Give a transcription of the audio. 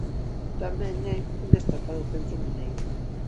Tamén é un destacado centro mineiro.